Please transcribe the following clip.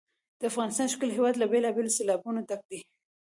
د افغانستان ښکلی هېواد له بېلابېلو سیلابونو ډک دی.